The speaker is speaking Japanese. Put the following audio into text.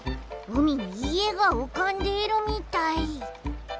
うみにいえがうかんでいるみたい。